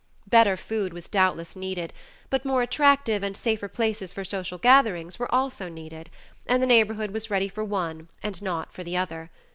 Better food was doubtless needed, but more attractive and safer places for social gatherings were also needed, and the neighborhood was ready for one and not for the other.